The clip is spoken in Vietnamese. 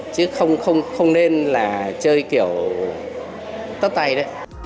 chứ không nên là chơi kiểu tớ tay đấy